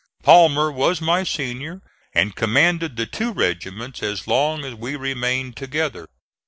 Palmer was my senior and commanded the two regiments as long as we remained together.